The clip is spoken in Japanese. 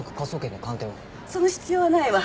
その必要はないわ。